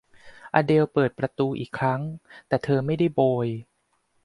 อเดลปิดประตูอีกครั้ง แต่เธอไม่ได้โบย